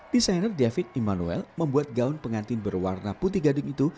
desainer david immanuel membuat gaun pengantin berwarna putih gadung itu